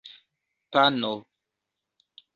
pano